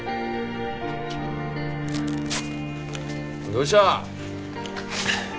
どうした？